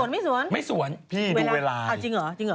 ไม่สวนไม่สวนจริงเหรอ